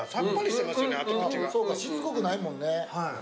そうかしつこくないもんね。